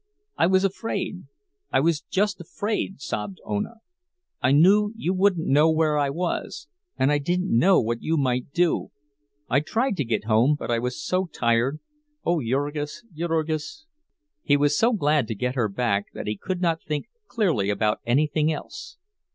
"I was afraid—I was just afraid!" sobbed Ona. "I knew you wouldn't know where I was, and I didn't know what you might do. I tried to get home, but I was so tired. Oh, Jurgis, Jurgis!" He was so glad to get her back that he could not think clearly about anything else.